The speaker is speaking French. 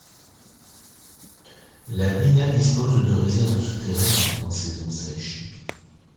La Vina dispose de réserves souterraines en saison sèche.